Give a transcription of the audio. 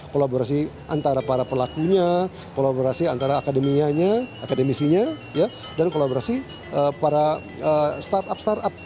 kolaborasi antara para pelakunya kolaborasi antara akademianya akademisinya dan kolaborasi para startup startup